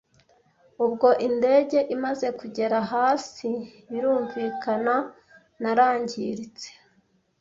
Ubwo indege imaze kugera hasi birumvikana narangiritse